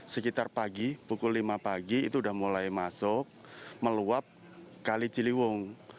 sekitar pagi pukul lima pagi itu sudah mulai masuk meluap kali ciliwung